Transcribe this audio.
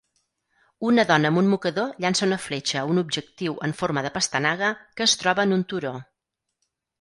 Una dona amb un mocador llança una fletxa a un objectiu en forma de pastanaga que es troba en un turó.